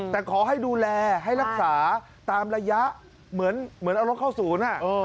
แต่ขอให้ดูแลให้รักษาตามระยะเหมือนเอารถเข้าศูนย์